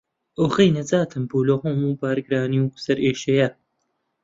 ئۆخەی، نەجاتم بوو لەو هەموو بارگرانی و سەرێشەیە.